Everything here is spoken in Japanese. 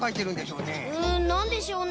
うんなんでしょうね？